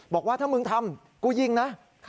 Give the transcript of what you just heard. บอกว่าถ้ามึงทำกูยิงนะ